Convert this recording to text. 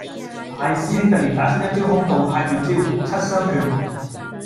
大師兄突然打出一招崆峒派絕招，七傷拳